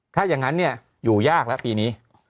ถ้าอย่างนั้นอยู่ยากแล้วปีนี้